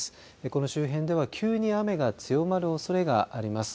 この周辺では急に雨が強まるおそれがあります。